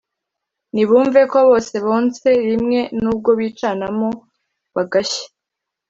nibumveko bose bonse rimwe n’ubwo bicanamo bagashya